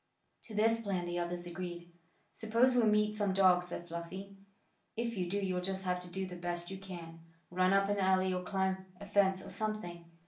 To this plan the others agreed. "Suppose we meet some dogs?" said Fluffy. "If you do, you'll just have to do the best you can. Run up an alley, or climb a fence or something.